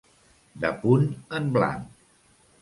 De punt en blanc.